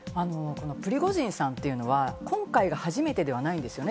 プリゴジンさんっていうのは今回が初めてではないんですよね。